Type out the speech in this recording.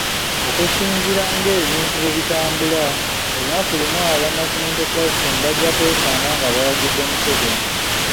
Okusinziira ng’ebintu bwe bitambula olunaku lumu aba National Unity Platform bajja kwesanga nga bawagidde Museveni .